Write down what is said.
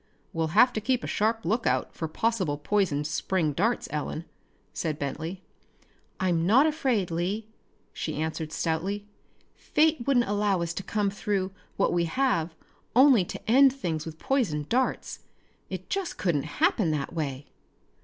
"We'll have to keep a sharp lookout for possible poisoned spring darts, Ellen," said Bentley. "I'm not afraid, Lee," she answered stoutly. "Fate wouldn't allow us to come through what we have only to end things with poisoned darts. It just couldn't happen that way!"